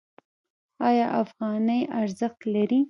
آیا افغانۍ ارزښت لري؟